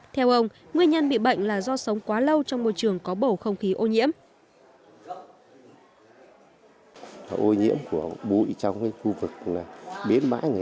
theo ông nguyên nhân bị bệnh là do sống quá lâu trong môi trường có bầu không khí ô nhiễm